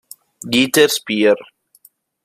Dieter Speer